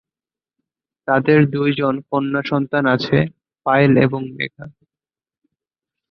তাদের দুইজন কন্যাসন্তান আছে, পায়েল এবং মেঘা।